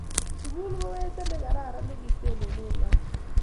sukul ku weto nekararan nekineten laak